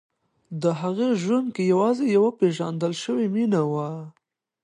د هغې ژوند کې یوازې یوه پېژندل شوې مینه وه.